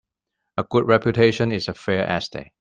A good reputation is a fair estate.